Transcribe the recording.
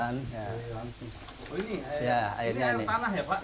ini air tanah ya pak